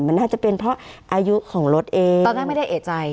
มันน่าจะเป็นเพราะอายุของรถเองตอนแรกไม่ได้เอกใจ